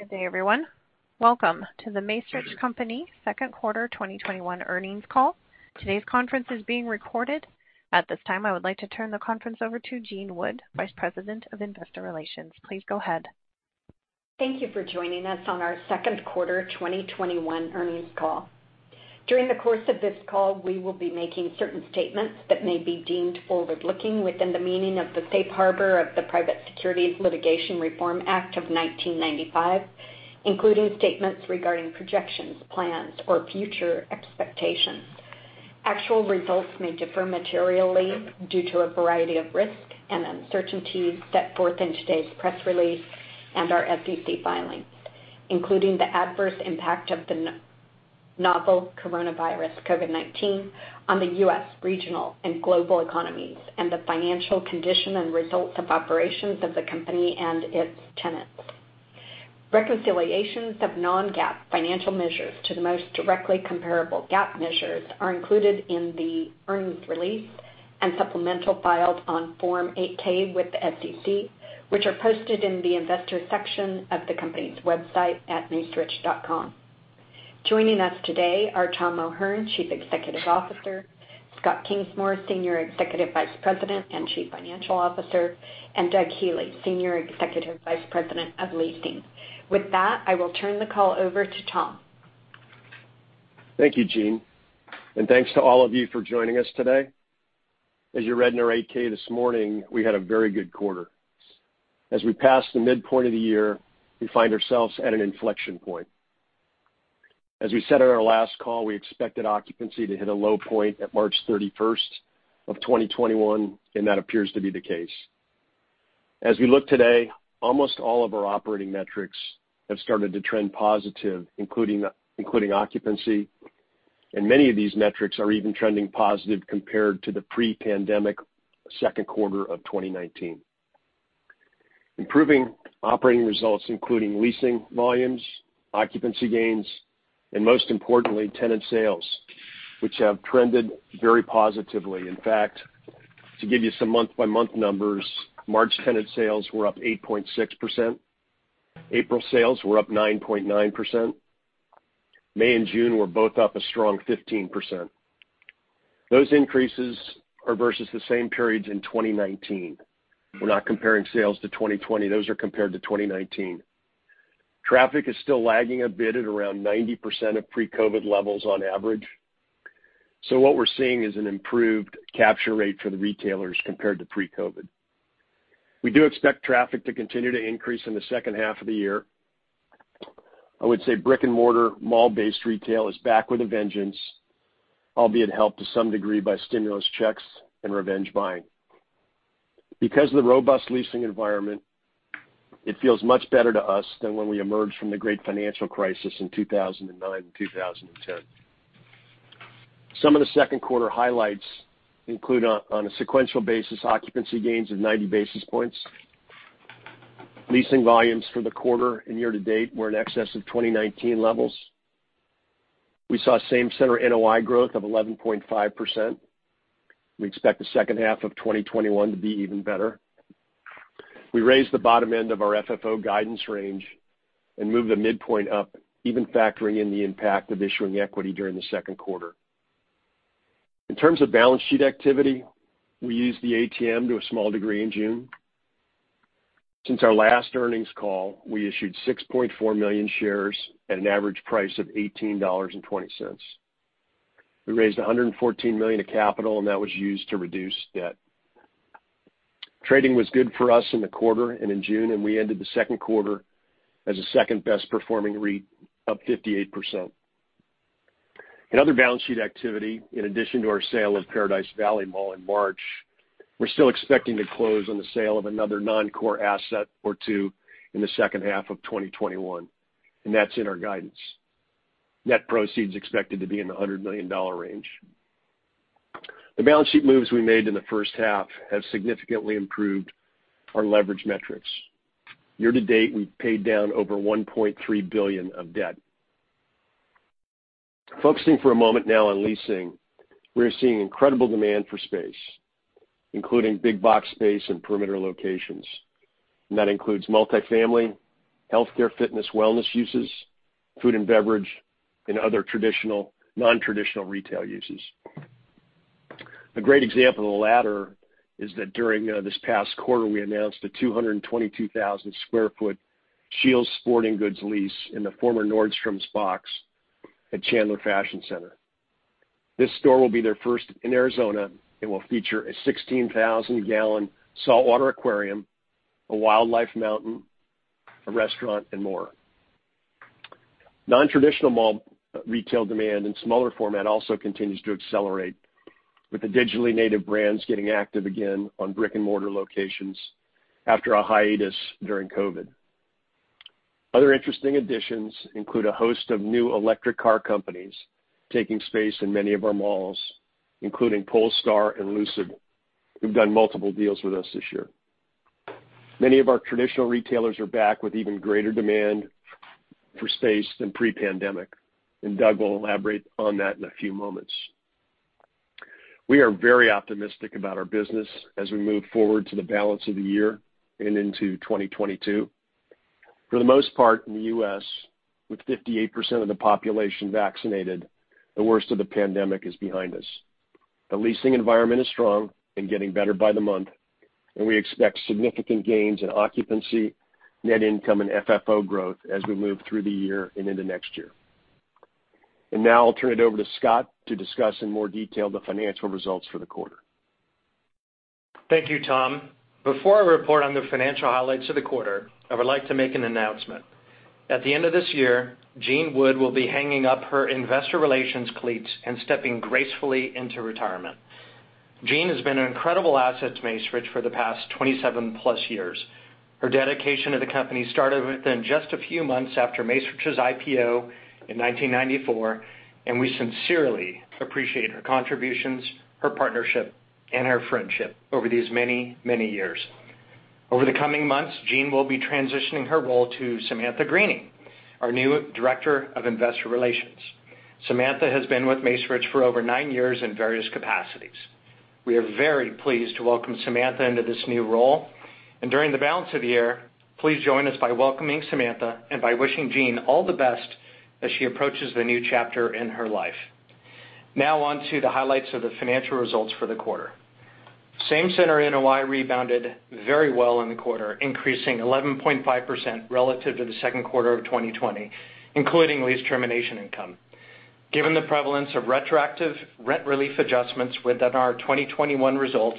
Good day, everyone. Welcome to The Macerich Company Q2 2021 earnings call. Today's conference is being recorded. At this time, I would like to turn the conference over to Jean Wood, Vice President of Investor Relations. Please go ahead. Thank you for joining us on our Q2 2021 earnings call. During the course of this call, we will be making certain statements that may be deemed forward-looking within the meaning of the safe harbor of the Private Securities Litigation Reform Act of 1995, including statements regarding projections, plans, or future expectations. Actual results may differ materially due to a variety of risks and uncertainties set forth in today's press release and our SEC filings, including the adverse impact of the novel coronavirus, COVID-19, on the U.S. regional and global economies and the financial condition and results of operations of the company and its tenants. Reconciliations of non-GAAP financial measures to the most directly comparable GAAP measures are included in the earnings release and supplemental filed on Form 8-K with the SEC, which are posted in the investor section of the company's website at macerich.com. Joining us today are Thomas O'Hern, Chief Executive Officer, Scott Kingsmore, Senior Executive Vice President and Chief Financial Officer, and Doug Healey, Senior Executive Vice President of Leasing. With that, I will turn the call over to Tom. Thank you, Jean, and thanks to all of you for joining us today. As you read in our 8-K this morning, we had a very good quarter. As we pass the midpoint of the year, we find ourselves at an inflection point. As we said on our last call, we expected occupancy to hit a low point at March 31st of 2021, and that appears to be the case. As we look today, almost all of our operating metrics have started to trend positive, including occupancy, and many of these metrics are even trending positive compared to the pre-pandemic Q2 of 2019. Improving operating results including leasing volumes, occupancy gains, and most importantly, tenant sales, which have trended very positively. In fact, to give you some month-by-month numbers, March tenant sales were up 8.6%. April sales were up 9.9%. May and June were both up a strong 15%. Those increases are versus the same periods in 2019. We're not comparing sales to 2020. Those are compared to 2019. Traffic is still lagging a bit at around 90% of pre-COVID levels on average. What we're seeing is an improved capture rate for the retailers compared to pre-COVID. We do expect traffic to continue to increase in the H2 of the year. I would say brick-and-mortar mall-based retail is back with a vengeance, albeit helped to some degree by stimulus checks and revenge buying. Of the robust leasing environment, it feels much better to us than when we emerged from the great financial crisis in 2009 and 2010. Some of the Q2 highlights include on a sequential basis, occupancy gains of 90 basis points. Leasing volumes for the quarter and year to date were in excess of 2019 levels. We saw same-center NOI growth of 11.5%. We expect the H2 of 2021 to be even better. We raised the bottom end of our FFO guidance range and moved the midpoint up, even factoring in the impact of issuing equity during the Q2. In terms of balance sheet activity, we used the ATM to a small degree in June. Since our last earnings call, we issued 6.4 million shares at an average price of $18.20. We raised $114 million of capital, and that was used to reduce debt. Trading was good for us in the quarter and in June, and we ended the Q2 as the second best performing REIT, up 58%. In other balance sheet activity, in addition to our sale of Paradise Valley Mall in March, we're still expecting to close on the sale of another non-core asset or two in the H2 of 2021, and that's in our guidance. Net proceeds expected to be in the $100 million range. The balance sheet moves we made in the H1 have significantly improved our leverage metrics. Year to date, we've paid down over $1.3 billion of debt. Focusing for a moment now on leasing, we're seeing incredible demand for space, including big box space and perimeter locations, and that includes multifamily, healthcare, fitness, wellness uses, food and beverage, and other non-traditional retail uses. A great example of the latter is that during this past quarter, we announced a 222,000 sq ft Scheels sporting goods lease in the former Nordstrom box at Chandler Fashion Center. This store will be their first in Arizona and will feature a 16,000 gal saltwater aquarium, a wildlife mountain, a restaurant, and more. Non-traditional mall retail demand in smaller format also continues to accelerate with the digitally native brands getting active again on brick-and-mortar locations after a hiatus during COVID-19. Other interesting additions include a host of new electric car companies taking space in many of our malls, including Polestar and Lucid, who've done multiple deals with us this year. Many of our traditional retailers are back with even greater demand for space than pre-pandemic. Doug will elaborate on that in a few moments. We are very optimistic about our business as we move forward to the balance of the year and into 2022. For the most part, in the U.S., with 58% of the population vaccinated, the worst of the pandemic is behind us. The leasing environment is strong and getting better by the month, and we expect significant gains in occupancy, net income, and FFO growth as we move through the year and into next year. Now I'll turn it over to Scott to discuss in more detail the financial results for the quarter. Thank you, Tom. Before I report on the financial highlights of the quarter, I would like to make an announcement. At the end of this year, Jean Wood will be hanging up her investor relations cleats and stepping gracefully into retirement. Jean has been an incredible asset to Macerich for the past 27+ years. Her dedication to the company started within just a few months after Macerich's IPO in 1994, and we sincerely appreciate her contributions, her partnership, and her friendship over these many, many years. Over the coming months, Jean will be transitioning her role to Samantha Greening, our new Director of Investor Relations. Samantha has been with Macerich for over nine years in various capacities. We are very pleased to welcome Samantha into this new role. During the balance of the year, please join us by welcoming Samantha and by wishing Jean all the best as she approaches the new chapter in her life. Now on to the highlights of the financial results for the quarter. Same center NOI rebounded very well in the quarter, increasing 11.5% relative to the Q2 of 2020, including lease termination income. Given the prevalence of retroactive rent relief adjustments within our 2021 results,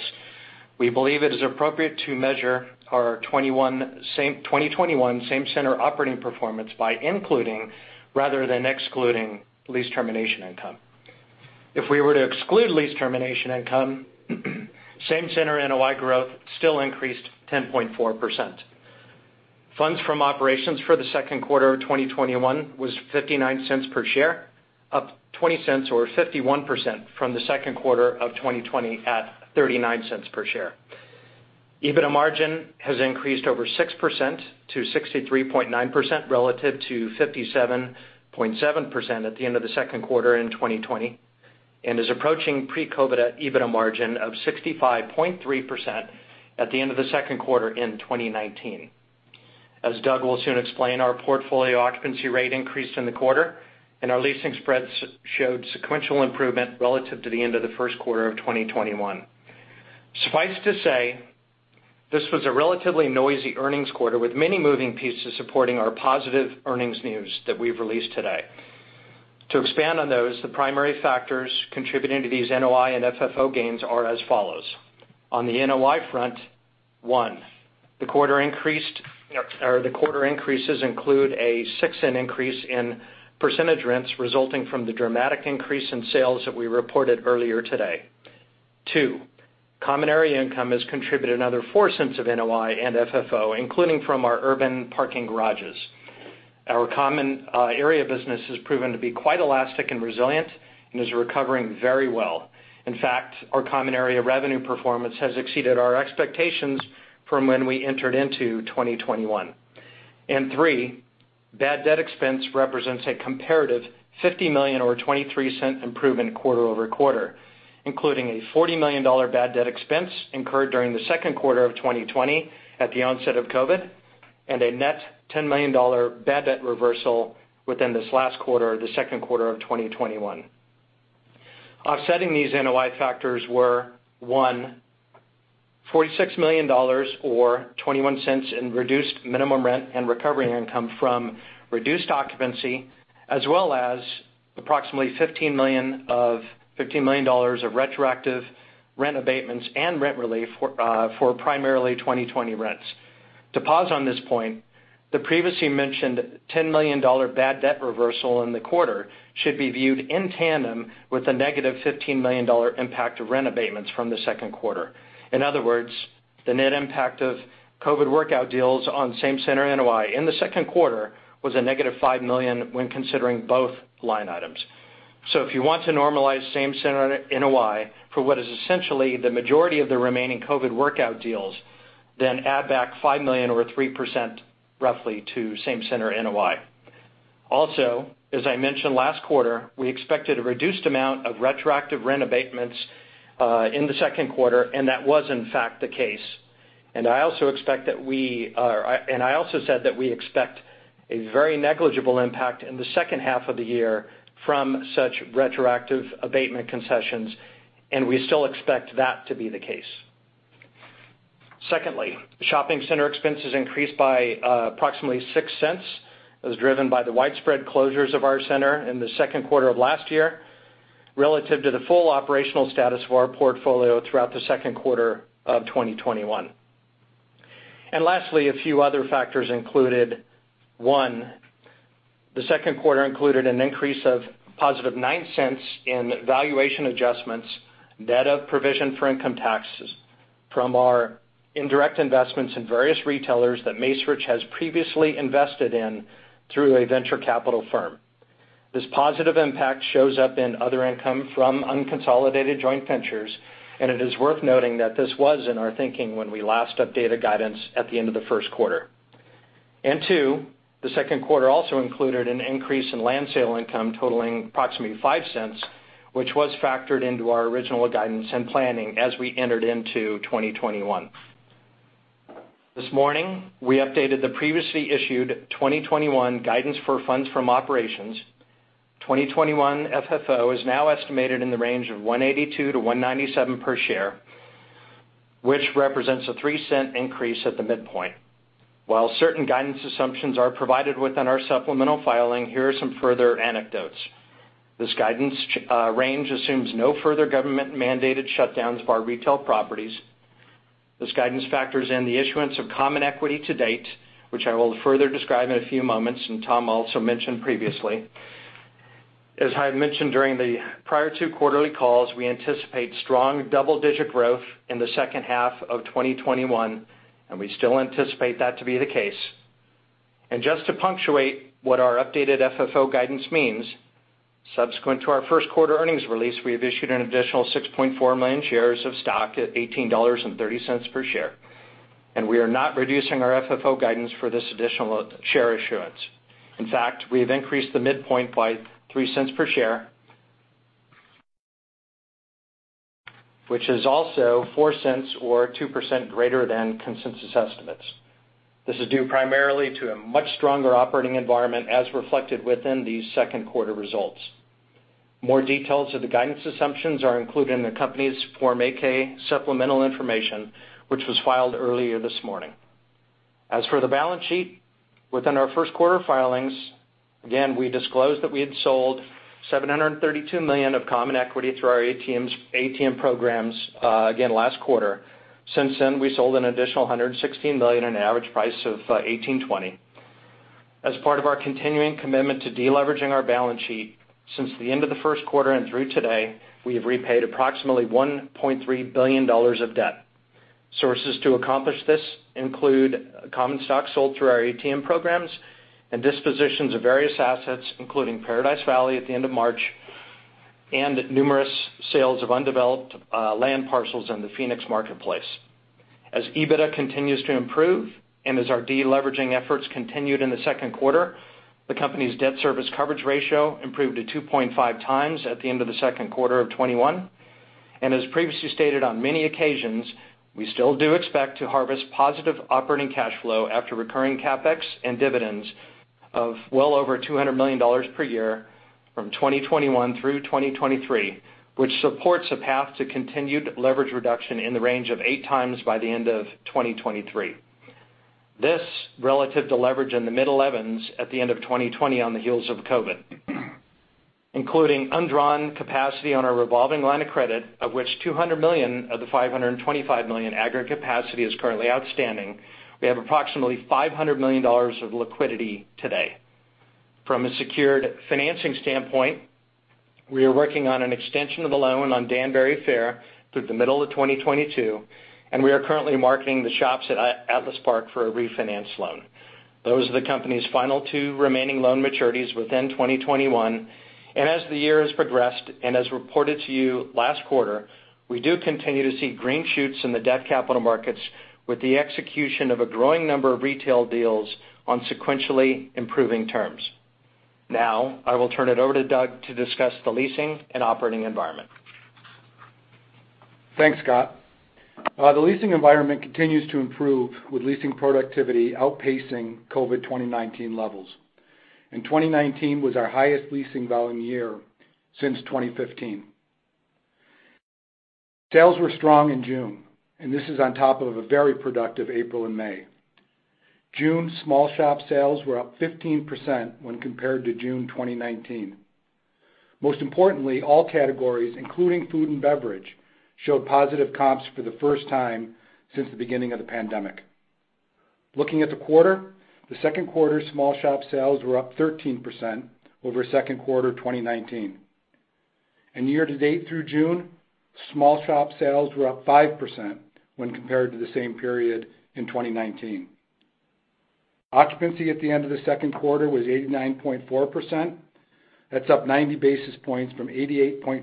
we believe it is appropriate to measure our 2021 same center operating performance by including rather than excluding lease termination income. If we were to exclude lease termination income, same center NOI growth still increased 10.4%. Funds from operations for the Q2 of 2021 was $0.59 per share, up $0.20 or 51% from the Q2 of 2020 at $0.39 per share. EBITDA margin has increased over 6% to 63.9% relative to 57.7% at the end of the Q2 in 2020, and is approaching pre-COVID-19 EBITDA margin of 65.3% at the end of the Q2 in 2019. As Doug will soon explain, our portfolio occupancy rate increased in the quarter, and our leasing spreads showed sequential improvement relative to the end of the Q1 of 2021. Suffice to say, this was a relatively noisy earnings quarter with many moving pieces supporting our positive earnings news that we've released today. To expand on those, the primary factors contributing to these NOI and FFO gains are as follows. On the NOI front, one, the quarter increases include a $0.06 increase in percentage rents resulting from the dramatic increase in sales that we reported earlier today. Two, common area income has contributed another $0.04 of NOI and FFO, including from our urban parking garages. Our common area business has proven to be quite elastic and resilient and is recovering very well. In fact, our common area revenue performance has exceeded our expectations from when we entered into 2021. Three, bad debt expense represents a comparative $50 million or $0.23 improvement quarter-over-quarter, including a $40 million bad debt expense incurred during the Q2 of 2020 at the onset of COVID-19, and a net $10 million bad debt reversal within this last quarter, the Q2 of 2021. Offsetting these NOI factors were, one, $46 million, or $0.21 in reduced minimum rent and recovery income from reduced occupancy, as well as approximately $15 million of retroactive rent abatements and rent relief for primarily 2020 rents. To pause on this point, the previously mentioned $10 million bad debt reversal in the quarter should be viewed in tandem with the -$15 million impact of rent abatements from the Q2. In other words, the net impact of COVID workout deals on same center NOI in the Q2 was a -$5 million when considering both line items. If you want to normalize same center NOI for what is essentially the majority of the remaining COVID workout deals, then add back $5 million or 3% roughly to same center NOI. As I mentioned last quarter, we expected a reduced amount of retroactive rent abatements in the Q2, and that was in fact the case. I also said that we expect a very negligible impact in the H2 of the year from such retroactive abatement concessions, and we still expect that to be the case. Shopping center expenses increased by approximately $0.06. It was driven by the widespread closures of our center in the Q2 of last year relative to the full operational status of our portfolio throughout the Q2 of 2021. Lastly, a few other factors included, one, the Q2 included an increase of +$0.09 in valuation adjustments, net of provision for income taxes from our indirect investments in various retailers that Macerich has previously invested in through a venture capital firm. This positive impact shows up in other income from unconsolidated joint ventures, it is worth noting that this was in our thinking when we last updated guidance at the end of the Q1. Two, the Q2 also included an increase in land sale income totaling approximately $0.05, which was factored into our original guidance and planning as we entered into 2021. This morning, we updated the previously issued 2021 guidance for funds from operations. 2021 FFO is now estimated in the range of $1.82-$1.97 per share, which represents a $0.03 increase at the midpoint. While certain guidance assumptions are provided within our supplemental filing, here are some further anecdotes. This guidance range assumes no further government-mandated shutdowns of our retail properties. This guidance factors in the issuance of common equity to date, which I will further describe in a few moments, and Tom also mentioned previously. As I mentioned during the prior two quarterly calls, we anticipate strong double-digit growth in the H2 of 2021, and we still anticipate that to be the case. Just to punctuate what our updated FFO guidance means, subsequent to our Q1 earnings release, we have issued an additional 6.4 million shares of stock at $18.30 per share, and we are not reducing our FFO guidance for this additional share issuance. In fact, we have increased the midpoint by $0.03 per share, which is also $0.04 or 2% greater than consensus estimates. This is due primarily to a much stronger operating environment as reflected within these Q2 results. More details of the guidance assumptions are included in the company's Form 8-K supplemental information, which was filed earlier this morning. As for the balance sheet, within our Q1 filings, again, we disclosed that we had sold $732 million of common equity through our ATM programs again last quarter. Since then, we sold an additional $116 million at an average price of $18.20. As part of our continuing commitment to de-leveraging our balance sheet, since the end of the Q1 and through today, we have repaid approximately $1.3 billion of debt. Sources to accomplish this include common stock sold through our ATM programs and dispositions of various assets, including Paradise Valley at the end of March and numerous sales of undeveloped land parcels in the Phoenix marketplace. As EBITDA continues to improve and as our de-leveraging efforts continued in the Q2, the company's debt service coverage ratio improved to 2.5x at the end of the Q2 of 2021. As previously stated on many occasions, we still do expect to harvest positive operating cash flow after recurring CapEx and dividends of well over $200 million per year from 2021 through 2023, which supports a path to continued leverage reduction in the range of 8x by the end of 2023. This relative to leverage in the mid-11s at the end of 2020 on the heels of COVID. Including undrawn capacity on our revolving line of credit, of which $200 million of the $525 million aggregate capacity is currently outstanding, we have approximately $500 million of liquidity today. From a secured financing standpoint, we are working on an extension of the loan on Danbury Fair through the middle of 2022, and we are currently marketing the shops at Atlas Park for a refinance loan. Those are the company's final two remaining loan maturities within 2021, and as the year has progressed and as reported to you last quarter, we do continue to see green shoots in the debt capital markets with the execution of a growing number of retail deals on sequentially improving terms. Now, I will turn it over to Doug to discuss the leasing and operating environment. Thanks, Scott. The leasing environment continues to improve with leasing productivity outpacing COVID 2019 levels. 2019 was our highest leasing volume year since 2015. Sales were strong in June, and this is on top of a very productive April and May. June small shop sales were up 15% when compared to June 2019. Most importantly, all categories, including food and beverage, showed positive comps for the first time since the beginning of the pandemic. Looking at the quarter, the Q2 small shop sales were up 13% over Q2 2019. Year to date through June, small shop sales were up 5% when compared to the same period in 2019. Occupancy at the end of the Q2 was 89.4%. That's up 90 basis points from 88.5%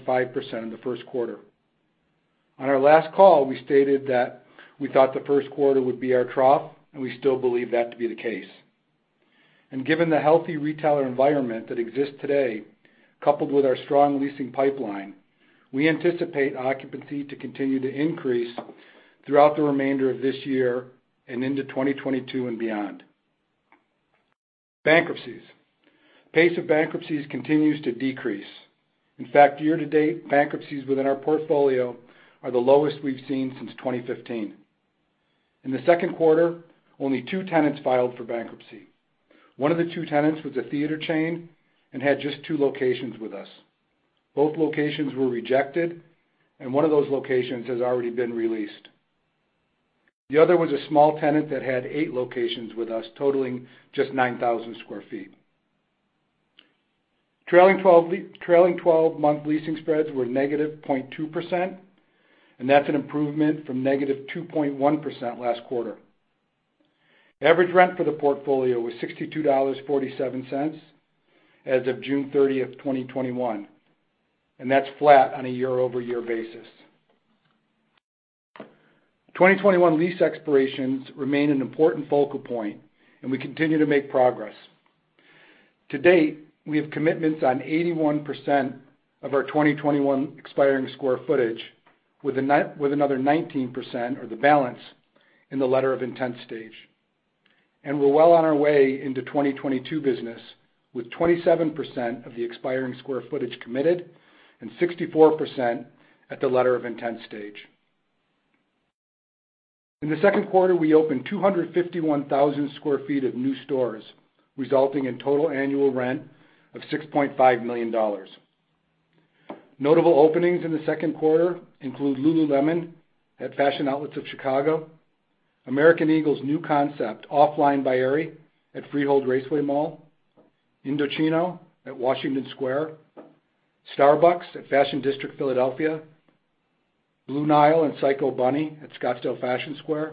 in the Q1. On our last call, we stated that we thought the Q1 would be our trough, and we still believe that to be the case. Given the healthy retailer environment that exists today, coupled with our strong leasing pipeline, we anticipate occupancy to continue to increase throughout the remainder of this year and into 2022 and beyond. Bankruptcies. Pace of bankruptcies continues to decrease. In fact, year to date, bankruptcies within our portfolio are the lowest we've seen since 2015. In the Q2, only two tenants filed for bankruptcy. One of the two tenants was a theater chain and had just two locations with us. Both locations were rejected, and one of those locations has already been re-leased. The other was a small tenant that had eight locations with us, totaling just 9,000 square feet. Trailing 12-month leasing spreads were -0.2%, and that's an improvement from -2.1% last quarter. Average rent for the portfolio was $62.47 as of June 30th, 2021, and that's flat on a year-over-year basis. 2021 lease expirations remain an important focal point, and we continue to make progress. To date, we have commitments on 81% of our 2021 expiring square footage with another 19%, or the balance, in the letter of intent stage. We're well on our way into 2022 business with 27% of the expiring square footage committed and 64% at the letter of intent stage. In the Q2, we opened 251,000 square feet of new stores, resulting in total annual rent of $6.5 million. Notable openings in the Q2 include lululemon at Fashion Outlets of Chicago, American Eagle's new concept, OFFLINE by Aerie at Freehold Raceway Mall, Indochino at Washington Square, Starbucks at Fashion District Philadelphia, Blue Nile and Psycho Bunny at Scottsdale Fashion Square,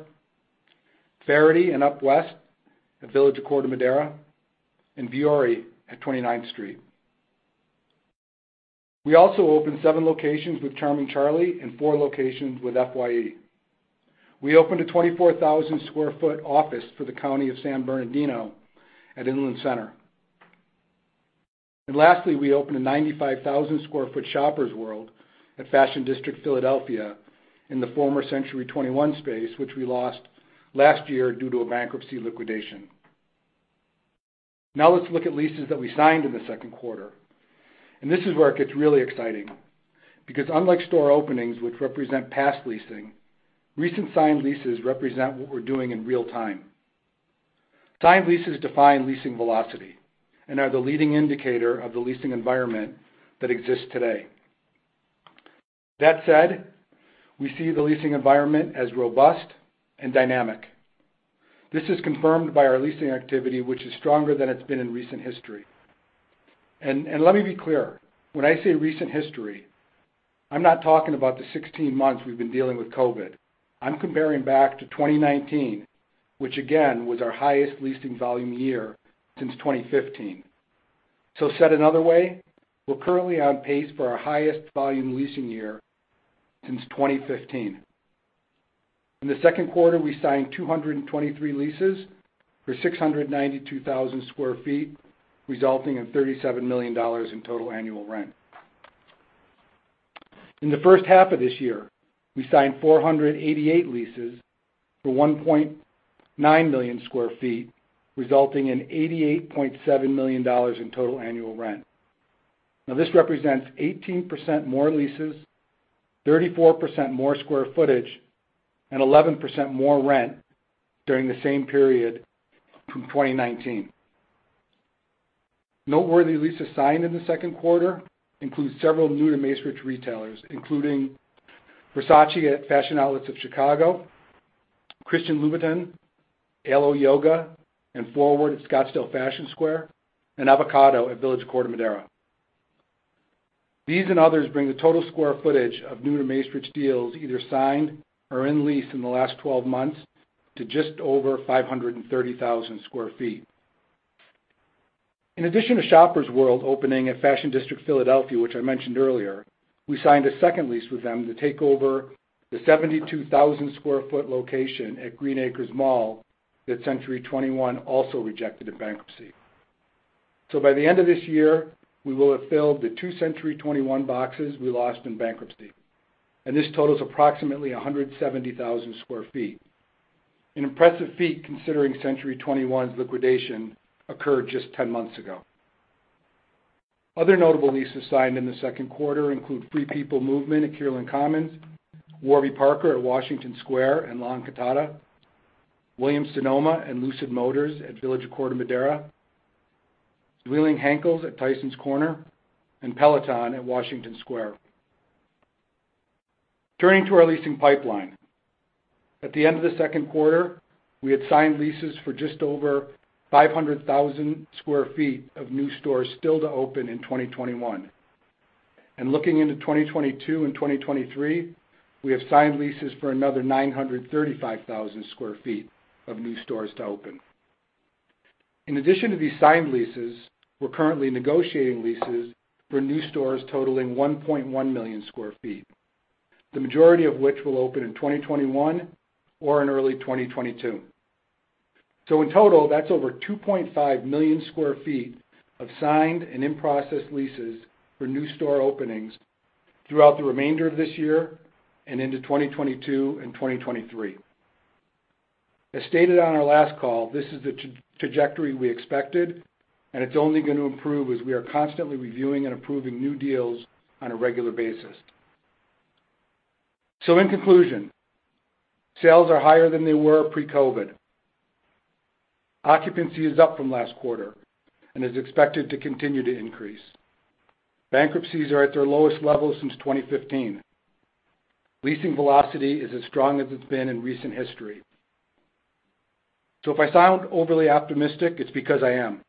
Faherty and UpWest at The Village at Corte Madera, and Vuori at 29th Street. We also opened seven locations with Charming Charlie and four locations with FYE. We opened a 24,000 sq ft office for the county of San Bernardino at Inland Center. Lastly, we opened a 95,000 sq ft Shoppers World at Fashion District Philadelphia in the former Century 21 space, which we lost last year due to a bankruptcy liquidation. Now let's look at leases that we signed in the Q2, and this is where it gets really exciting because unlike store openings which represent past leasing, recent signed leases represent what we're doing in real time. Signed leases define leasing velocity and are the leading indicator of the leasing environment that exists today. That said, we see the leasing environment as robust and dynamic. This is confirmed by our leasing activity, which is stronger than it's been in recent history. Let me be clear, when I say recent history, I'm not talking about the 16 months we've been dealing with COVID. I'm comparing back to 2019, which again, was our highest leasing volume year since 2015. Said another way, we're currently on pace for our highest volume leasing year since 2015. In the Q2, we signed 223 leases for 692,000 square feet, resulting in $37 million in total annual rent. In the H1 of this year, we signed 488 leases for 1.9 million sq ft, resulting in $88.7 million in total annual rent. Now, this represents 18% more leases, 34% more square footage, and 11% more rent during the same period from 2019. Noteworthy leases signed in the Q2 include several new to Macerich retailers, including Versace at Fashion Outlets of Chicago, Christian Louboutin, Alo Yoga, and Forward at Scottsdale Fashion Square, and Avocado Green Mattress at The Village at Corte Madera. These and others bring the total square footage of new to Macerich deals either signed or in lease in the last 12 months to just over 530,000 sq ft. In addition to Shoppers World opening at Fashion District Philadelphia, which I mentioned earlier, we signed a second lease with them to take over the 72,000 sq ft location at Green Acres Mall that Century 21 also rejected in bankruptcy. By the end of this year, we will have filled the two Century 21 boxes we lost in bankruptcy, and this totals approximately 170,000 sq ft. An impressive feat considering Century 21's liquidation occurred just 10 months ago. Other notable leases signed in the Q2 include FP Movement at Kierland Commons, Warby Parker at Washington Square and La Encantada, Williams-Sonoma and Lucid Motors at The Village at Corte Madera, Zwilling J.A. Henckels at Tysons Corner and Peloton at Washington Square. Turning to our leasing pipeline. At the end of the Q2, we had signed leases for just over 500,000 sq ft of new stores still to open in 2021. Looking into 2022 and 2023, we have signed leases for another 935,000 sq ft of new stores to open. In addition to these signed leases, we're currently negotiating leases for new stores totaling 1.1 million sq ft. The majority of which will open in 2021 or in early 2022. In total, that's over 2.5 million sq ft of signed and in-process leases for new store openings throughout the remainder of this year and into 2022 and 2023. As stated on our last call, this is the trajectory we expected and it's only going to improve as we are constantly reviewing and approving new deals on a regular basis. In conclusion, sales are higher than they were pre-COVID. Occupancy is up from last quarter and is expected to continue to increase. Bankruptcies are at their lowest level since 2015. Leasing velocity is as strong as it's been in recent history. If I sound overly optimistic, it's because I am.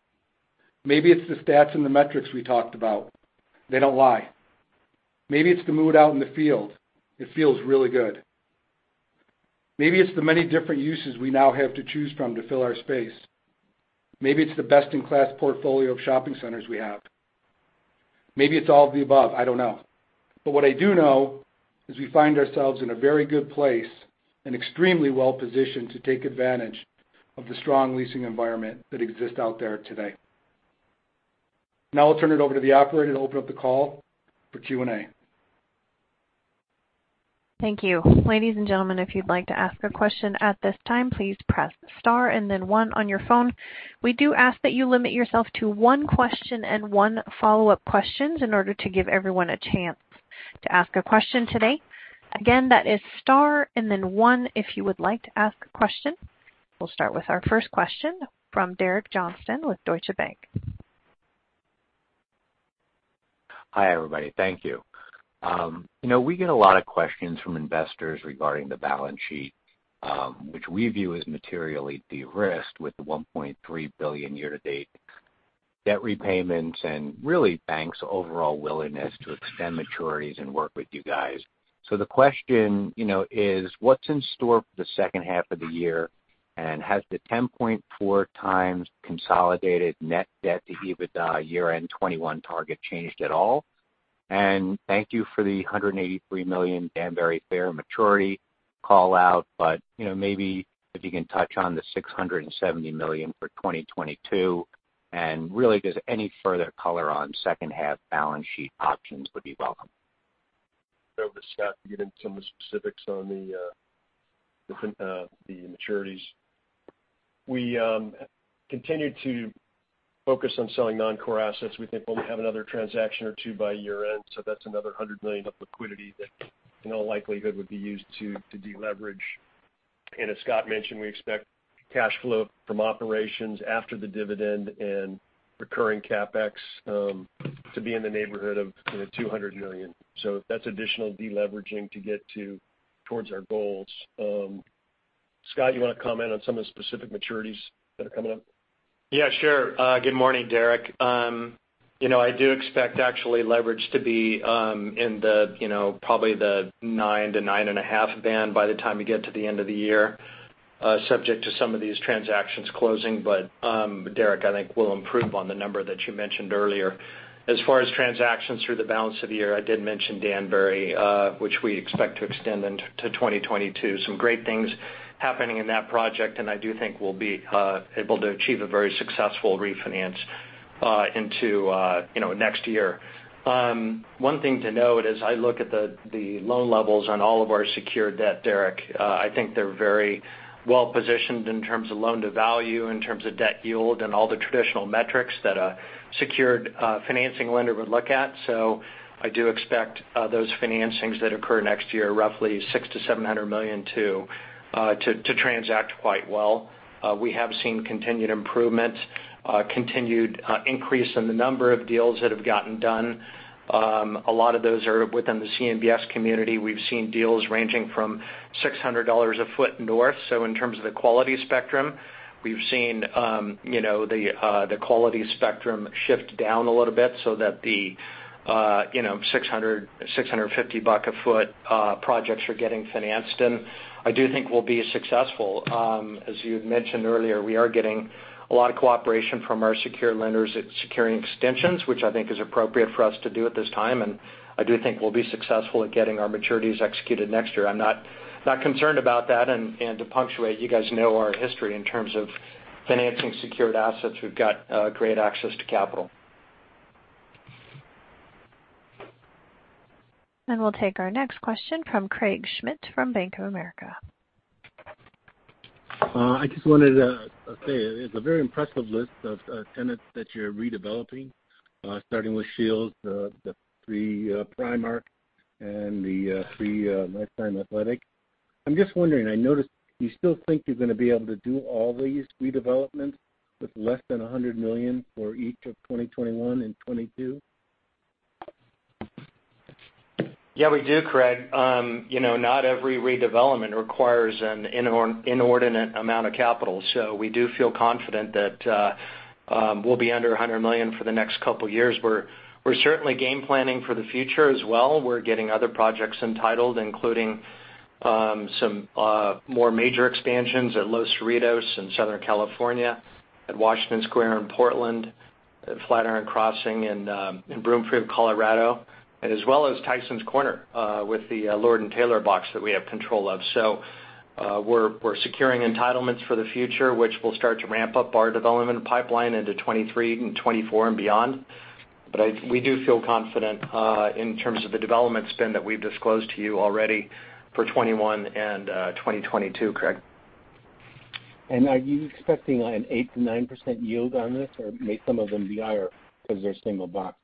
Maybe it's the stats and the metrics we talked about. They don't lie. Maybe it's the mood out in the field. It feels really good. Maybe it's the many different uses we now have to choose from to fill our space. Maybe it's the best in class portfolio of shopping centers we have. Maybe it's all of the above, I don't know. What I do know is we find ourselves in a very good place and extremely well-positioned to take advantage of the strong leasing environment that exists out there today. Now I'll turn it over to the operator to open up the call for Q&A. Thank you. Ladies and gentlemen, if you'd like to ask a question at this time, please press star and then one on your phone. We do ask that you limit yourself to one question and one follow-up question in order to give everyone a chance. To ask a question today, again, that is star and then one if you would like to ask a question. We'll start with our first question from Derek Johnston with Deutsche Bank. Hi, everybody. Thank you. We get a lot of questions from investors regarding the balance sheet, which we view as materially de-risked with the $1.3 billion year-to-date debt repayments and really banks' overall willingness to extend maturities and work with you guys. The question is, what's in store for the Q2 of the year, and has the 10.4x consolidated net debt to EBITDA year-end 2021 target changed at all? Thank you for the $183 million Danbury Fair maturity call-out, maybe if you can touch on the $670 million for 2022, and really just any further color on H2 balance sheet options would be welcome. I'll let Scott get into some of the specifics on the maturities. We continue to focus on selling non-core assets. We think we'll have another transaction or two by year-end, so that's another $100 million of liquidity that in all likelihood would be used to deleverage. As Scott mentioned, we expect cash flow from operations after the dividend and recurring CapEx to be in the neighborhood of $200 million. That's additional deleveraging to get towards our goals. Scott, you want to comment on some of the specific maturities that are coming up? Yeah, sure. Good morning, Derek. I do expect actually leverage to be in probably the 9-9.5 band by the time we get to the end of the year, subject to some of these transactions closing. Derek, I think we'll improve on the number that you mentioned earlier. As far as transactions through the balance of the year, I did mention Danbury, which we expect to extend into 2022. Some great things happening in that project, and I do think we'll be able to achieve a very successful refinance into next year. One thing to note as I look at the loan levels on all of our secured debt, Derek, I think they're very well-positioned in terms of loan-to-value, in terms of debt yield, and all the traditional metrics that a secured financing lender would look at. I do expect those financings that occur next year, roughly $600 million-$700 million to transact quite well. We have seen continued improvements, continued increase in the number of deals that have gotten done. A lot of those are within the CMBS community. We've seen deals ranging from $600 a foot north. In terms of the quality spectrum, we've seen the quality spectrum shift down a little bit so that the $600, $650 a foot projects are getting financed. I do think we'll be successful. As you had mentioned earlier, we are getting a lot of cooperation from our secured lenders at securing extensions, which I think is appropriate for us to do at this time, and I do think we'll be successful at getting our maturities executed next year. I'm not concerned about that. To punctuate, you guys know our history in terms of financing secured assets. We've got great access to capital. We'll take our next question from Craig Schmidt from Bank of America. I just wanted to say, it's a very impressive list of tenants that you're redeveloping, starting with Scheels, the Primark, and the Life Time Athletic. I'm just wondering, I noticed you still think you're going to be able to do all these redevelopments with less than $100 million for each of 2021 and 2022? Yeah, we do, Craig. Not every redevelopment requires an inordinate amount of capital. We do feel confident that we'll be under $100 million for the next couple of years. We're certainly game planning for the future as well. We're getting other projects entitled, including some more major expansions at Los Cerritos in Southern California, at Washington Square in Portland, at Flatiron Crossing in Broomfield, Colorado, and as well as Tysons Corner with the Lord & Taylor box that we have control of. We're securing entitlements for the future, which will start to ramp up our development pipeline into 2023 and 2024 and beyond. We do feel confident in terms of the development spend that we've disclosed to you already for 2021 and 2022, Craig. Are you expecting an 8%-9% yield on this, or may some of them be higher because they're single box?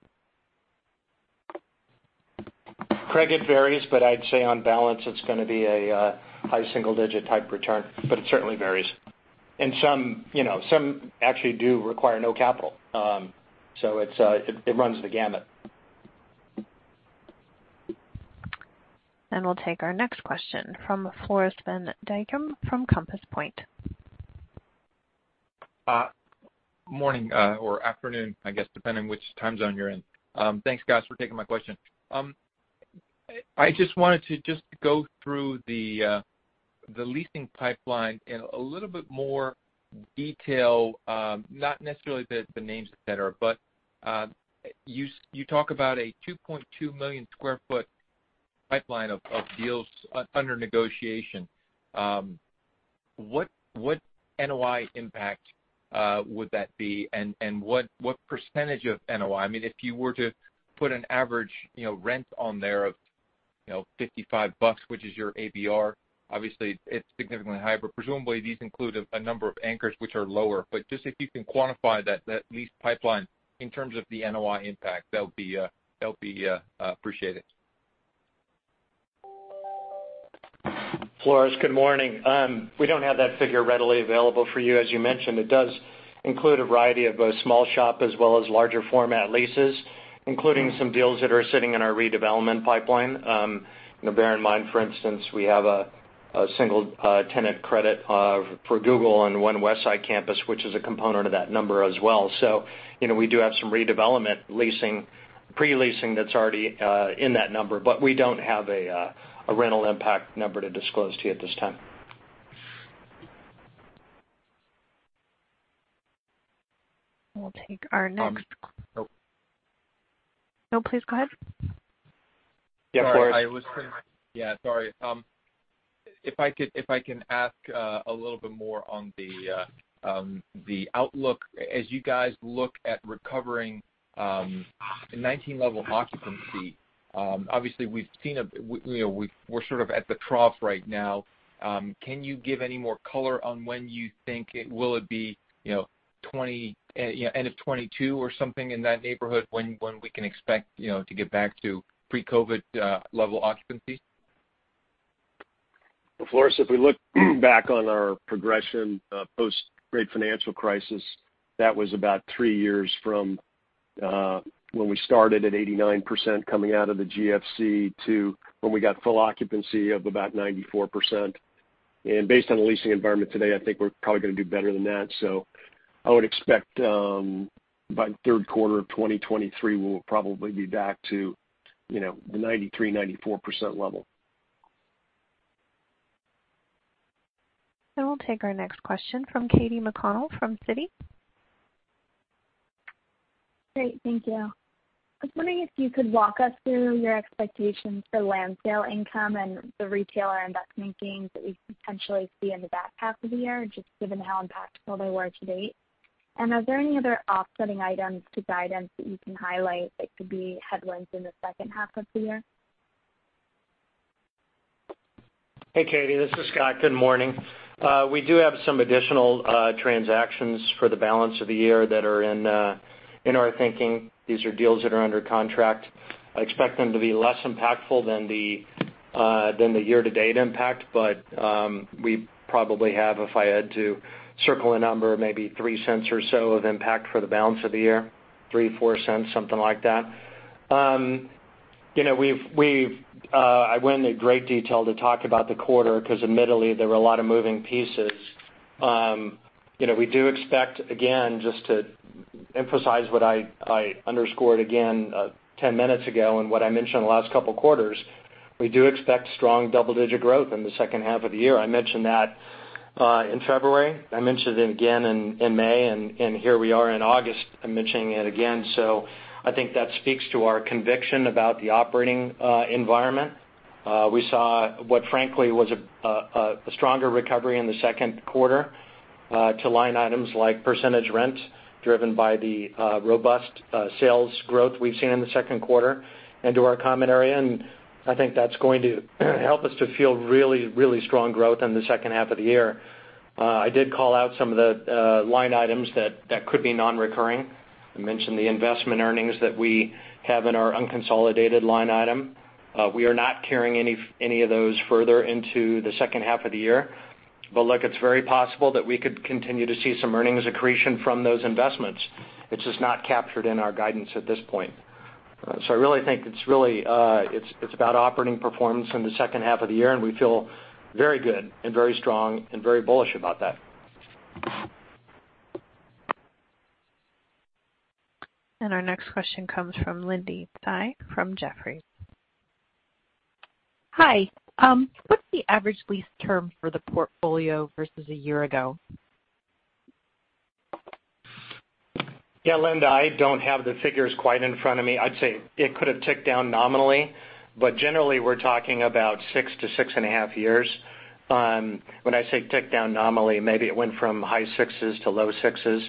Craig, it varies, but I'd say on balance, it's going to be a high single-digit type return, but it certainly varies. Some actually do require no capital. It runs the gamut. We'll take our next question from Floris van Dijkum from Compass Point. Morning or afternoon, I guess, depending which time zone you're in. Thanks, guys, for taking my question. I just wanted to go through the leasing pipeline in a little bit more detail. Not necessarily the names, et cetera, but you talk about a 2.2 million sq ft pipeline of deals under negotiation. What NOI impact would that be, and what percentage of NOI? If you were to put an average rent on there of $55, which is your ABR, obviously it's significantly high, but presumably these include a number of anchors which are lower. Just if you can quantify that lease pipeline in terms of the NOI impact, that would be appreciated. Floris, good morning. We don't have that figure readily available for you. As you mentioned, it does include a variety of both small shop as well as larger format leases, including some deals that are sitting in our redevelopment pipeline. Bear in mind, for instance, we have a single tenant credit for Google on One Westside campus, which is a component of that number as well. We do have some redevelopment pre-leasing that's already in that number, but we don't have a rental impact number to disclose to you at this time. We'll take our next. Oh. No, please go ahead. Yeah, Floris. Yeah, sorry. If I can ask a little bit more on the outlook. As you guys look at recovering 2019 level occupancy, obviously we're sort of at the trough right now. Can you give any more color on when you think it will be end of 2022 or something in that neighborhood, when we can expect to get back to pre-COVID level occupancy? Floris, if we look back on our progression post-great financial crisis, that was about three years from when we started at 89% coming out of the GFC to when we got full occupancy of about 94%. Based on the leasing environment today, I think we're probably going to do better than that. I would expect by the Q3 of 2023, we will probably be back to the 93%-94% level. We'll take our next question from Katy McConnell from Citi. Great. Thank you. I was wondering if you could walk us through your expectations for land sale income and the retail investment gains that we potentially see in the back half of the year, just given how impactful they were to date. Are there any other offsetting items to guidance that you can highlight that could be headwinds in the H2 of the year? Hey, Katy, this is Scott. Good morning. We do have some additional transactions for the balance of the year that are in our thinking. These are deals that are under contract. I expect them to be less impactful than the year to date impact. We probably have, if I had to circle a number, maybe $0.03 or so of impact for the balance of the year. $0.03 or $0.04, something like that. I went into great detail to talk about the quarter because admittedly, there were a lot of moving pieces. We do expect, again, just to emphasize what I underscored again 10 minutes ago and what I mentioned the last couple of quarters, we do expect strong double-digit growth in the H2 of the year. I mentioned that in February. I mentioned it again in May. Here we are in August, I'm mentioning it again. I think that speaks to our conviction about the operating environment. We saw what frankly was a stronger recovery in the Q2 to line items like percentage rent, driven by the robust sales growth we've seen in the Q2 and to our common area. I think that's going to help us to feel really strong growth in the H2 of the year. I did call out some of the line items that could be non-recurring. I mentioned the investment earnings that we have in our unconsolidated line item. We are not carrying any of those further into the H2 of the year. Look, it's very possible that we could continue to see some earnings accretion from those investments. It's just not captured in our guidance at this point. I really think it's about operating performance in the H2 of the year, and we feel very good and very strong and very bullish about that. Our next question comes from Linda Tsai from Jefferies. Hi. What's the average lease term for the portfolio versus a year ago? Yeah, Linda, I don't have the figures quite in front of me. I'd say it could have ticked down nominally, but generally we're talking about 6-6.5 years. When I say ticked down nominally, maybe it went from high sixes to low sixes.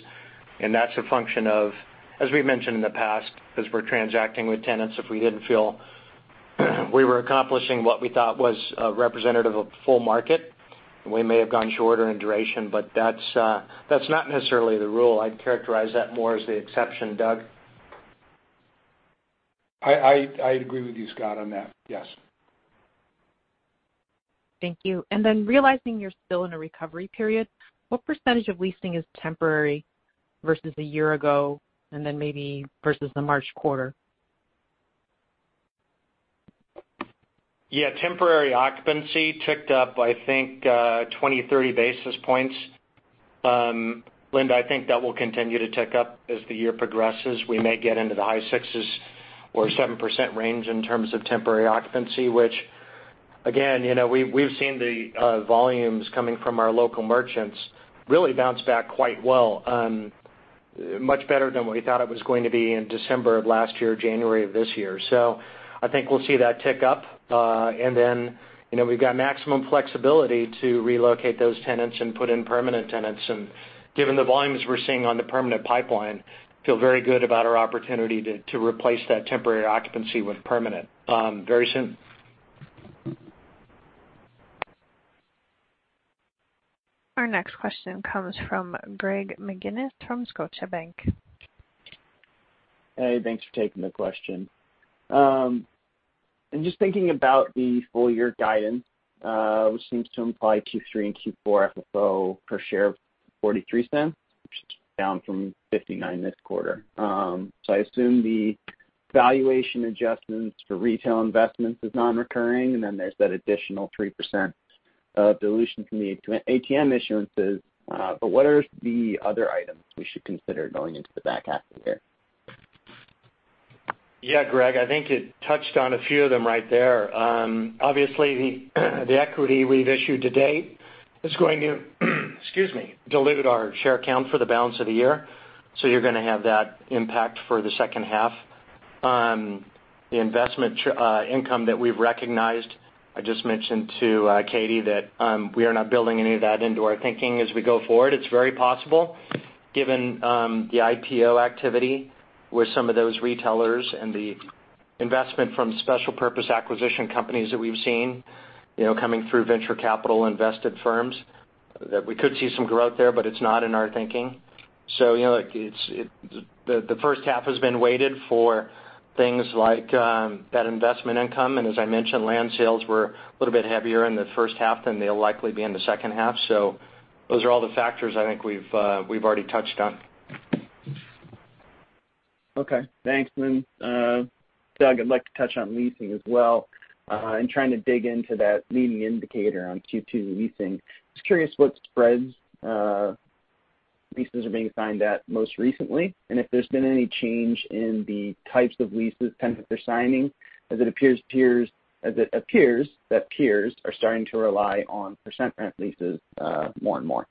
That's a function of, as we've mentioned in the past, as we're transacting with tenants if we didn't feel we were accomplishing what we thought was representative of full market, we may have gone shorter in duration, but that's not necessarily the rule. I'd characterize that more as the exception. Doug? I agree with you, Scott, on that. Yes. Thank you. Realizing you're still in a recovery period, what percentage of leasing is temporary versus a year ago and then maybe versus the March quarter? Yeah. Temporary occupancy ticked up, I think, 20, 30 basis points, Linda. I think that will continue to tick up as the year progresses. We may get into the high 6s% or 7% range in terms of temporary occupancy, which again, we've seen the volumes coming from our local merchants really bounce back quite well. Much better than we thought it was going to be in December of last year, January of this year. I think we'll see that tick up. We've got maximum flexibility to relocate those tenants and put in permanent tenants. Given the volumes we're seeing on the permanent pipeline, feel very good about our opportunity to replace that temporary occupancy with permanent, very soon. Our next question comes from Greg McGinniss from Scotiabank. Hey, thanks for taking the question. I'm just thinking about the full year guidance, which seems to imply Q3 and Q4 FFO per share of $0.43, which is down from $0.59 this quarter. I assume the valuation adjustments for retail investments is non-recurring, and then there's that additional 3% dilution from the ATM issuances. What are the other items we should consider going into the back half of the year? Yeah, Greg, I think it touched on a few of them right there. Obviously, the equity we've issued to date is going to excuse me, dilute our share count for the balance of the year, so you're going to have that impact for the H2. The investment income that we've recognized, I just mentioned to Katy that we are not building any of that into our thinking as we go forward. It's very possible given the IPO activity with some of those retailers and the investment from special purpose acquisition companies that we've seen, coming through venture capital invested firms, that we could see some growth there, but it's not in our thinking. The H1 has been weighted for things like that investment income, and as I mentioned, land sales were a little bit heavier in the H1 than they'll likely be in the H2. Those are all the factors I think we've already touched on. Okay, thanks. Doug, I'd like to touch on leasing as well, and trying to dig into that leading indicator on Q2 leasing. Just curious what spreads leases are being signed at most recently, and if there's been any change in the types of leases tenants are signing as it appears that peers are starting to rely on percent rent leases more and more.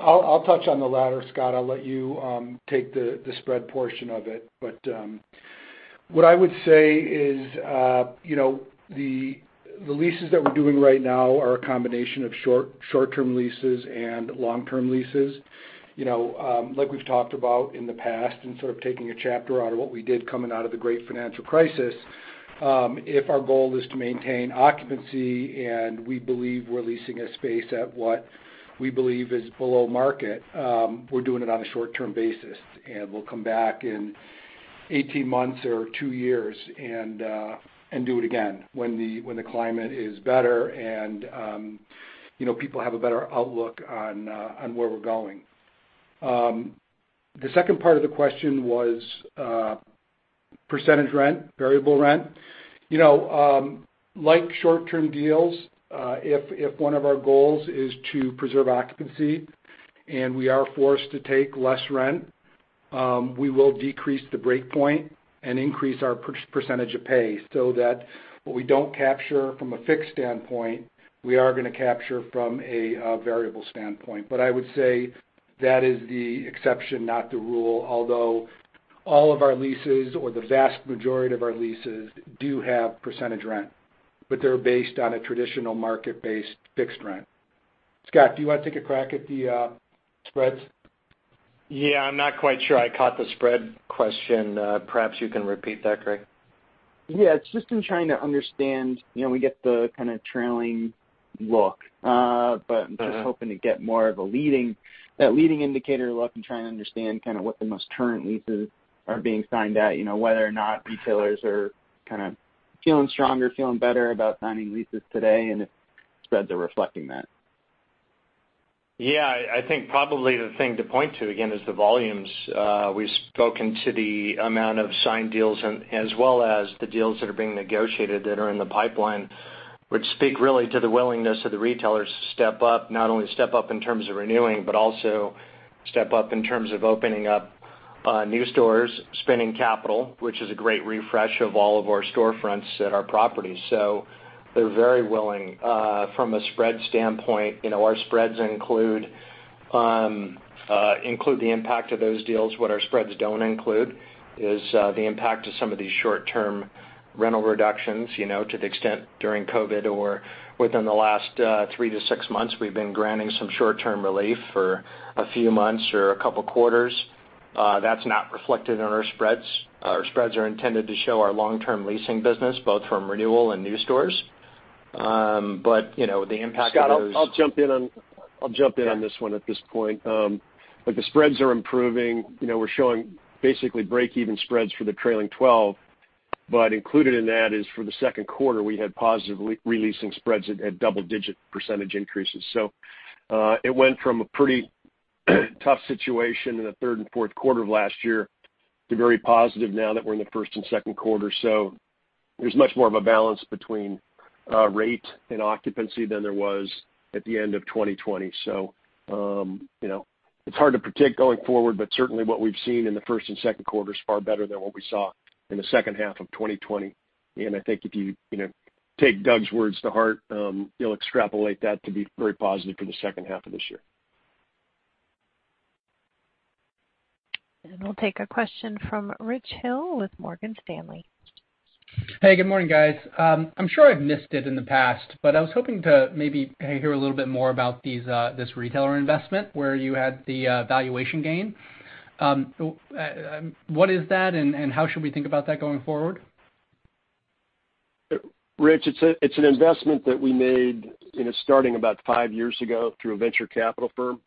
I'll touch on the latter, Scott. I'll let you take the spread portion of it. What I would say is the leases that we're doing right now are a combination of short-term leases and long-term leases. Like we've talked about in the past and sort of taking a chapter out of what we did coming out of the great financial crisis, if our goal is to maintain occupancy and we believe we're leasing a space at what we believe is below market, we're doing it on a short-term basis, and we'll come back in 18 months or two years and do it again when the climate is better and people have a better outlook on where we're going. The second part of the question was percentage rent, variable rent. Like short-term deals, if one of our goals is to preserve occupancy and we are forced to take less rent, we will decrease the break point and increase our percentage of pay so that what we don't capture from a fixed standpoint, we are going to capture from a variable standpoint. I would say that is the exception, not the rule, although all of our leases or the vast majority of our leases do have percentage rent, but they're based on a traditional market-based fixed rent. Scott, do you want to take a crack at the spreads? Yeah, I'm not quite sure I caught the spread question. Perhaps you can repeat that, Greg. Yeah, it's just in trying to understand, we get the kind of trailing look. I'm just hoping to get more of that leading indicator look and trying to understand kind of what the most current leases are being signed at, whether or not retailers are kind of feeling stronger, feeling better about signing leases today, and if spreads are reflecting that. I think probably the thing to point to, again, is the volumes. We've spoken to the amount of signed deals as well as the deals that are being negotiated that are in the pipeline, which speak really to the willingness of the retailers to step up, not only step up in terms of renewing, but also step up in terms of opening up new stores, spending capital, which is a great refresh of all of our storefronts at our properties. They're very willing. From a spread standpoint, our spreads include the impact of those deals. What our spreads don't include is the impact of some of these short-term rental reductions, to the extent during COVID-19 or within the last 3-6 months, we've been granting some short-term relief for a few months or a couple of quarters. That's not reflected in our spreads. Our spreads are intended to show our long-term leasing business, both from renewal and new stores. Scott, I'll jump in on this one at this point. The spreads are improving. We're showing basically breakeven spreads for the trailing 12. Included in that is for the Q2, we had positive re-leasing spreads at double-digit percentage increases. It went from a pretty tough situation in the Q3 and Q4 of last year to very positive now that we're in the Q1 and Q2. There's much more of a balance between rate and occupancy than there was at the end of 2020. It's hard to predict going forward, but certainly what we've seen in the Q1 and Q2 is far better than what we saw in the H2of 2020. I think if you take Doug's words to heart, you'll extrapolate that to be very positive for the Q2 of this year. We'll take a question from Richard Hill with Morgan Stanley. Hey, good morning, guys. I'm sure I've missed it in the past, but I was hoping to maybe hear a little bit more about this retailer investment where you had the valuation gain. What is that, and how should we think about that going forward? Richard, it's an investment that we made starting about five years ago through a venture capital firm.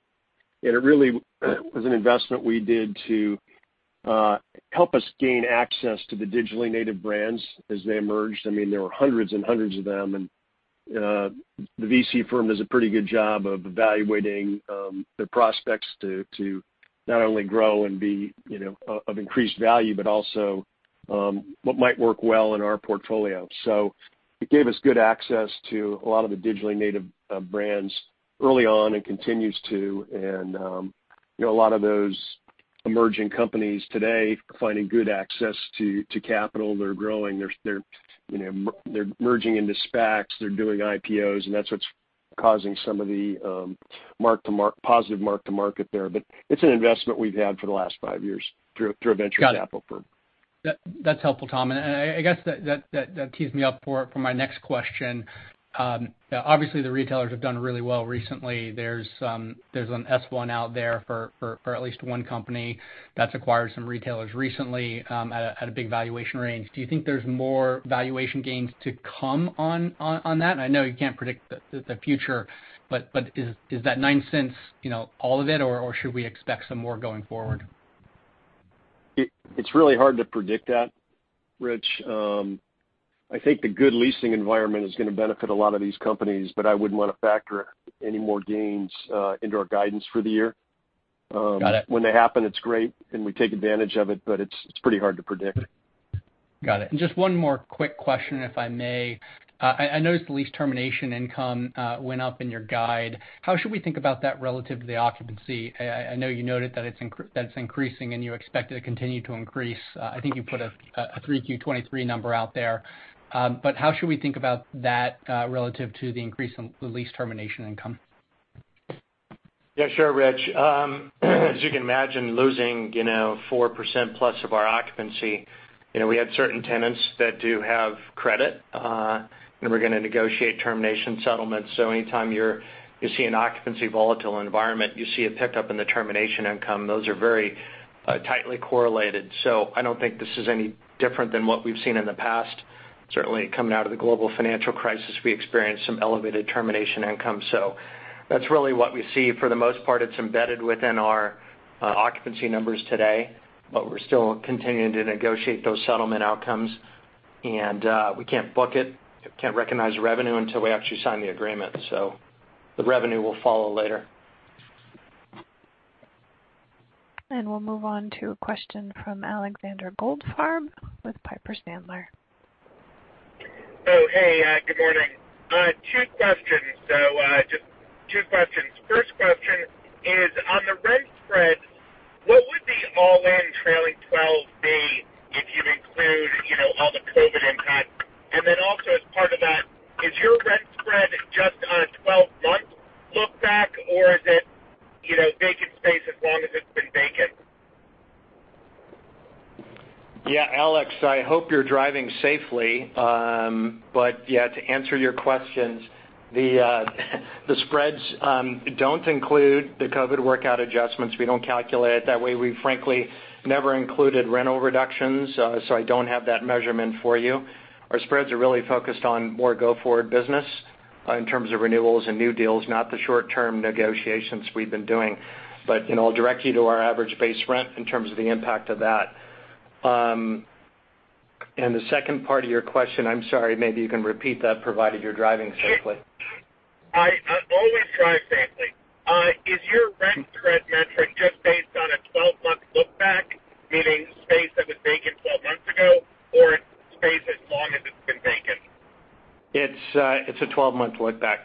It really was an investment we did to help us gain access to the digitally native brands as they emerged. There were hundreds and hundreds of them. The VC firm does a pretty good job of evaluating the prospects to not only grow and be of increased value, but also what might work well in our portfolio. It gave us good access to a lot of the digitally native brands early on and continues to. A lot of those emerging companies today are finding good access to capital. They're growing. They're merging into SPACs. They're doing IPOs. That's what's causing some of the positive mark to market there. It's an investment we've had for the last five years through a venture capital firm. Got it. That's helpful, Tom. I guess that tees me up for my next question. Obviously, the retailers have done really well recently. There's an S-1 out there for at least one company that's acquired some retailers recently at a big valuation range. Do you think there's more valuation gains to come on that? I know you can't predict the future, but is that $0.09 all of it, or should we expect some more going forward? It's really hard to predict that, Rich. I think the good leasing environment is going to benefit a lot of these companies, but I wouldn't want to factor any more gains into our guidance for the year. Got it. When they happen, it's great, and we take advantage of it, but it's pretty hard to predict. Got it. Just one more quick question, if I may. I noticed the lease termination income went up in your guide. How should we think about that relative to the occupancy? I know you noted that it's increasing, and you expect it to continue to increase. I think you put a Q3 2023 number out there. How should we think about that relative to the increase in the lease termination income? Yeah, sure, Rich. As you can imagine, losing 4%+ of our occupancy, we had certain tenants that do have credit, and we're going to negotiate termination settlements. Anytime you see an occupancy volatile environment, you see a pickup in the termination income. Those are very tightly correlated. I don't think this is any different than what we've seen in the past. Certainly coming out of the global financial crisis, we experienced some elevated termination income. That's really what we see. For the most part, it's embedded within our occupancy numbers today, but we're still continuing to negotiate those settlement outcomes. We can't book it, can't recognize revenue until we actually sign the agreement. The revenue will follow later. We'll move on to a question from Alexander Goldfarb with Piper Sandler. Oh, hey. Good morning. Two questions. Just two questions. First question is on the rent spread, what would the all-in trailing 12 be if you include all the COVID impact? Also as part of that, is your rent spread just on a 12-month look back, or is it vacant space as long as it's been vacant? Yeah, Alex, I hope you're driving safely. Yeah, to answer your questions, the spreads don't include the COVID workout adjustments. We don't calculate it that way. We frankly never included rental reductions, I don't have that measurement for you. Our spreads are really focused on more go-forward business in terms of renewals and new deals, not the short-term negotiations we've been doing. I'll direct you to our average base rent in terms of the impact of that. The second part of your question, I'm sorry, maybe you can repeat that provided you're driving safely. I always drive safely. Is your rent spread metric just based on a 12-month look back, meaning space that was vacant 12 months ago, or it's space as long as it's been vacant? It's a 12-month look back.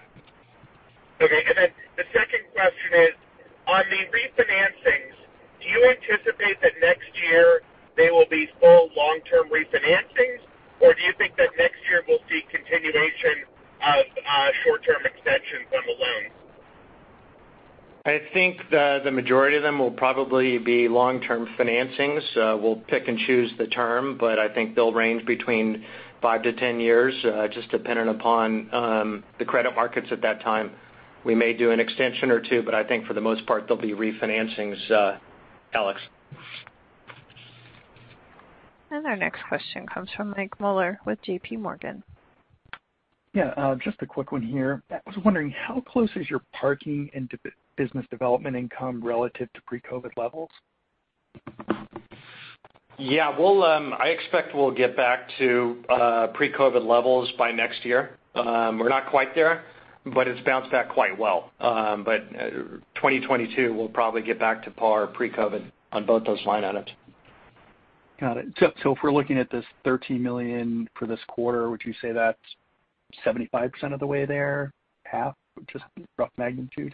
Okay. The second question is, on the refinancings, do you anticipate that next year they will be full long-term refinancings, or do you think that next year we'll see continuation of short-term extensions on the loans? I think the majority of them will probably be long-term financings. We'll pick and choose the term, but I think they'll range between 5-10 years, just dependent upon the credit markets at that time. We may do an extension or two, but I think for the most part, they'll be refinancings, Alex. Our next question comes from Mike Mueller with JPMorgan. Yeah, just a quick one here. I was wondering, how close is your parking and business development income relative to pre-COVID-19 levels? I expect we'll get back to pre-COVID levels by next year. We're not quite there, but it's bounced back quite well. 2022, we'll probably get back to par pre-COVID on both those line items. Got it. If we're looking at this $13 million for this quarter, would you say that's 75% of the way there? Half? Just rough magnitude.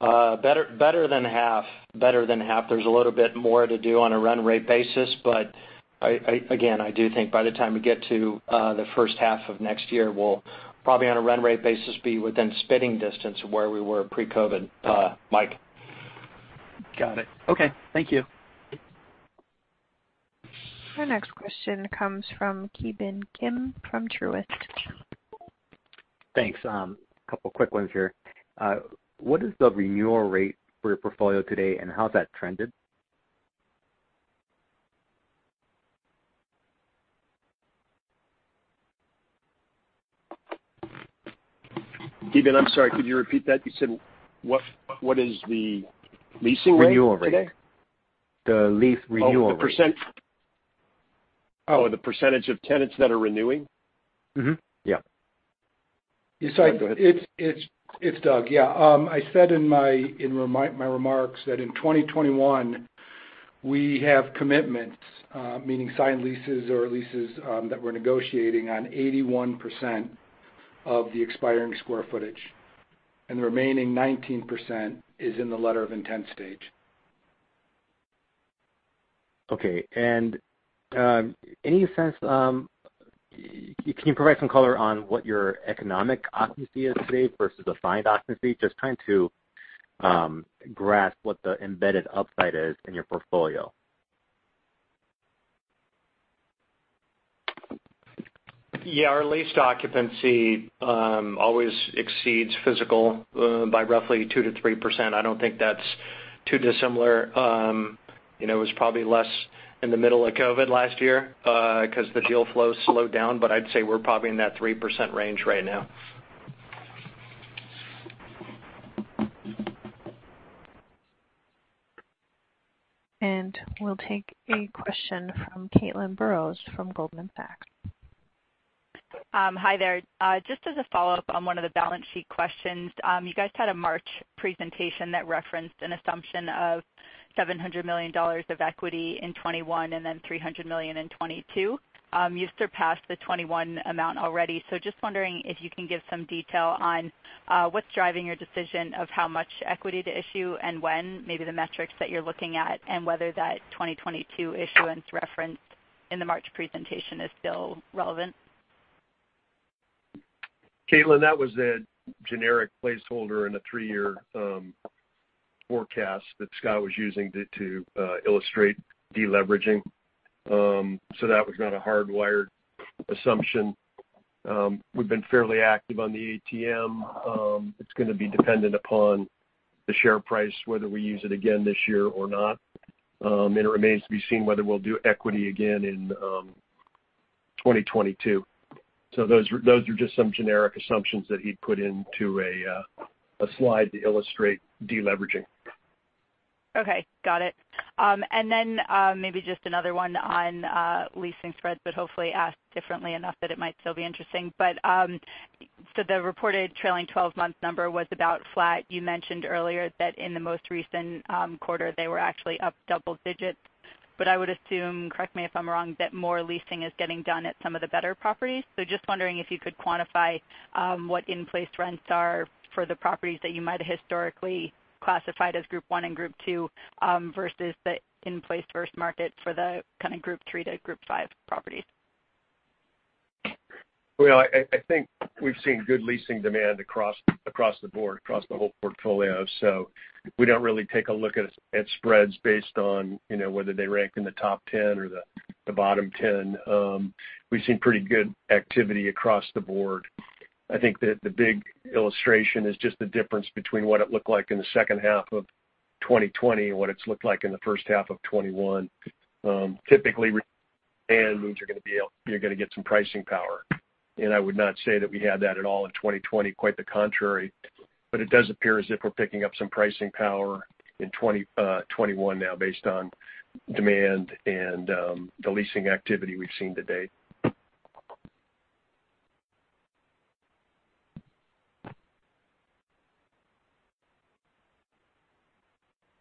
Better than half. There's a little bit more to do on a run rate basis, but again, I do think by the time we get to the H1 of next year, we'll probably on a run rate basis, be within spitting distance of where we were pre-COVID, Mike. Got it. Okay. Thank you. Our next question comes from Ki Bin Kim from Truist. Thanks. A couple quick ones here. What is the renewal rate for your portfolio today, and how has that trended? Ki Bin, I'm sorry, could you repeat that? You said what is the leasing rate today? Renewal rate. The lease renewal rate. Oh, the percentage of tenants that are renewing? Mm-hmm. Yeah. It's Doug. Yeah. I said in my remarks that in 2021, we have commitments, meaning signed leases or leases that we're negotiating on 81% of the expiring square footage, and the remaining 19% is in the letter of intent stage. Okay. Any sense, can you provide some color on what your economic occupancy is today versus assigned occupancy? Just trying to grasp what the embedded upside is in your portfolio. Yeah. Our leased occupancy always exceeds physical by roughly 2%-3%. I don't think that's too dissimilar. It was probably less in the middle of COVID last year, because the deal flow slowed down, but I'd say we're probably in that 3% range right now. We'll take a question from Caitlin Burrows from Goldman Sachs. Hi there. Just as a follow-up on one of the balance sheet questions. You guys had a March presentation that referenced an assumption of $700 million of equity in 2021, and then $300 million in 2022. You've surpassed the 2021 amount already. Just wondering if you can give some detail on what's driving your decision of how much equity to issue and when, maybe the metrics that you're looking at, and whether that 2022 issuance referenced in the March presentation is still relevant. Caitlin, that was a generic placeholder in the three-year forecast that Scott was using to illustrate de-leveraging. That was not a hardwired assumption. We've been fairly active on the ATM. It's going to be dependent upon the share price, whether we use it again this year or not. It remains to be seen whether we'll do equity again in 2022. Those are just some generic assumptions that he'd put into a slide to illustrate de-leveraging. Okay. Got it. Maybe just another one on leasing spreads, but hopefully asked differently enough that it might still be interesting. The reported trailing 12-month number was about flat. You mentioned earlier that in the most recent quarter, they were actually up double digits. I would assume, correct me if I'm wrong, that more leasing is getting done at some of the better properties. Just wondering if you could quantify what in-place rents are for the properties that you might have historically classified as Group 1 and Group 2 versus the in-place first market for the kind of Group 3 to Group 5 properties. Well, I think we've seen good leasing demand across the board, across the whole portfolio. We don't really take a look at spreads based on whether they rank in the top 10 or the bottom 10. We've seen pretty good activity across the board. I think that the big illustration is just the difference between what it looked like in the H2 of 2020 and what it's looked like in the H1 of 2021. Typically, demand means you're going to get some pricing power. I would not say that we had that at all in 2020, quite the contrary. It does appear as if we're picking up some pricing power in 2021 now based on demand and the leasing activity we've seen to date.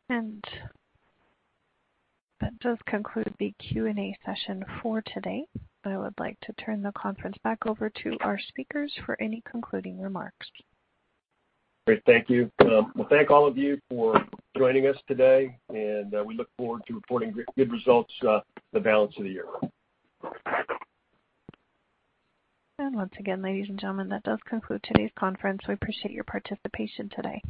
That does conclude the Q&A session for today. I would like to turn the conference back over to our speakers for any concluding remarks. Great. Thank you. Well, thank all of you for joining us today, and we look forward to reporting good results the balance of the year. Once again, ladies and gentlemen, that does conclude today's conference. We appreciate your participation today.